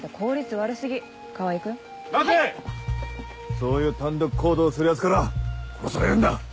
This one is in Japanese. そういう単独行動するヤツから殺されるんだ！